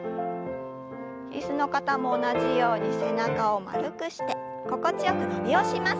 椅子の方も同じように背中を丸くして心地よく伸びをします。